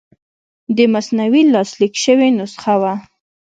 د مثنوي لاسلیک شوې نسخه وه.